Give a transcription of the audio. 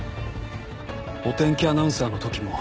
お天気アナウンサーの時も。